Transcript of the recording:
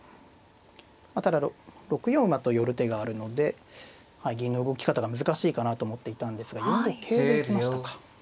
ただ６四馬と寄る手があるので銀の動き方が難しいかなと思っていたんですが４五桂でいきましたか。